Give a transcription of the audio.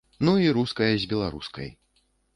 Ну і руская з беларускай.